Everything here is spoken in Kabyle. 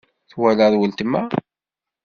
Twalaḍ weltma?